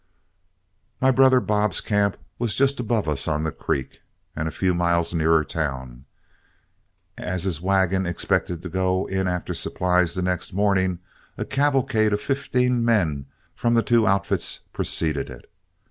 My brother Bob's camp was just above us on the creek, and a few miles nearer town. As his wagon expected to go in after supplies the next morning, a cavalcade of fifteen men from the two outfits preceded it.